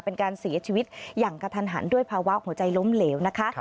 เป็นการเสียชีวิตอย่างกระทันหันด้วยภาวะหัวใจล้มเหลวนะคะ